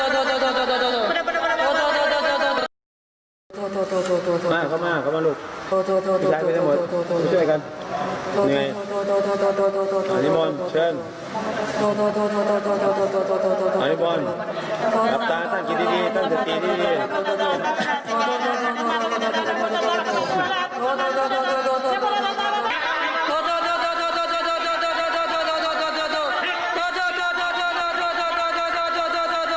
โทษโทษโทษโทษโทษโทษโทษโทษโทษโทษโทษโทษโทษโทษโทษโทษโทษโทษโทษโทษโทษโทษโทษโทษโทษโทษโทษโทษโทษโทษโทษโทษโทษโทษโทษโทษโทษโทษโทษโทษโทษโทษโทษโทษโท